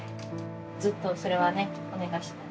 ずっとそれはねお願いしてたね。